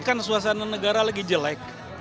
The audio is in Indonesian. kan suasana negara lagi jelek